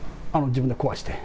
自分で壊して。